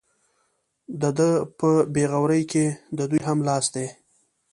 د ده په بې غورۍ کې د دوی هم لاس دی.